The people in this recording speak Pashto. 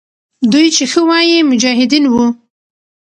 دوی چې ښه وایي، مجاهدین وو.